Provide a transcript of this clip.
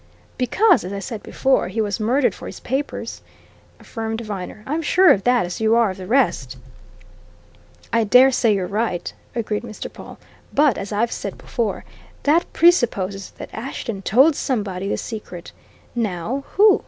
"Because, as I said before, he was murdered for his papers," affirmed Viner. "I'm sure of that as you are of the rest." "I dare say you're right," agreed Mr. Pawle. "But, as I've said before, that presupposes that Ashton told somebody the secret. Now who?